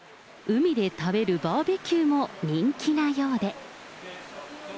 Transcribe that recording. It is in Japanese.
海で食べるバーベキューも人気なようで。